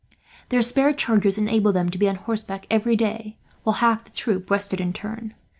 Their spare chargers enabled them to be on horseback every day, while half the troop rested in turn.